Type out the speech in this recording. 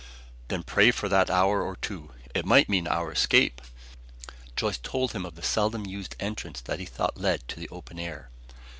"Then pray for that hour or two. It might mean our escape!" Joyce told him of the seldom used entrance that he thought led to the open air.